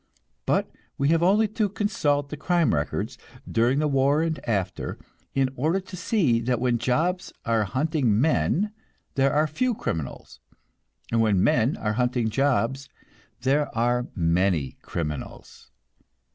But we have only to consult the crime records, during the war and after the war, in order to see that when jobs are hunting men there are few criminals, and when men are hunting jobs there are many criminals.